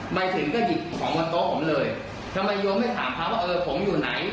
ไม่ถึงก็หยิดของตัวผมเลยทำไมหยวงให้ถามครับว่าเออผมอยู่ไหน